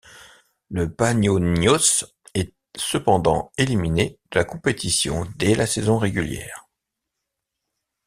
Le Paniónios est cependant éliminé de la compétition dès la saison régulière.